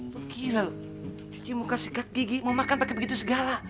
lo kira lo cuci muka sikat gigi mau makan pake begitu segala